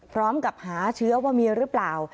พร้อมกับหาเชื้อว่ามีหรือเปล่า